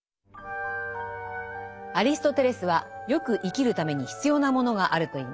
アリストテレスは善く生きるために必要なものがあると言います。